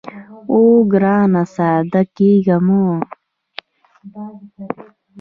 اوو ګرانه ساده کېږه مه.